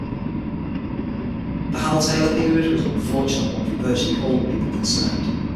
The Hal Taylor period was an unfortunate one for virtually all the people concerned.